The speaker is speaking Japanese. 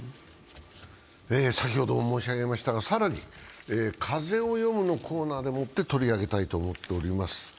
先ほど申し上げましたが更に「風をよむ」のコーナーで取り上げたいと思っております。